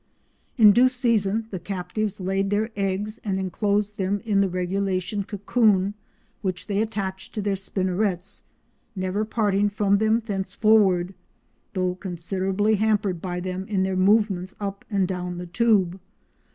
In due season the captives laid their eggs and enclosed them in the regulation cocoon which they attached to their spinnerets, never parting from them thenceforward, though considerably hampered by them in their movements up and down the tube.